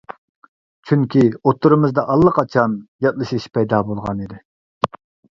چۈنكى، ئوتتۇرىمىزدا ئاللىقاچان ياتلىشىش پەيدا بولغانىدى.